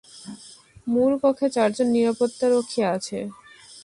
মুল কক্ষে চারজন নিরাপত্তারক্ষী আছে।